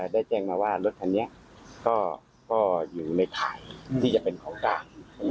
ได้แจ้งมาว่ารถคันนี้ก็อยู่ในข่ายที่จะเป็นของกลาง